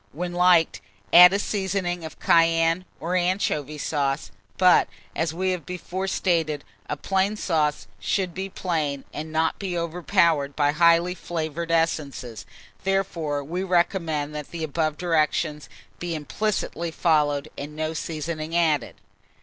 When liked, add a seasoning of cayenne, or anchovy sauce; but, as we have before stated, a plain sauce should be plain, and not be overpowered by highly flavoured essences; therefore we recommend that the above directions be implicitly followed, and no seasoning added.